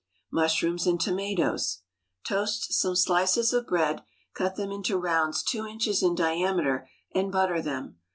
Mushrooms and Tomatoes. Toast some slices of bread, cut them into rounds two inches in diameter, and butter them.